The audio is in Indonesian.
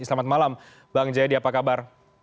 selamat malam bang jayadi apa kabar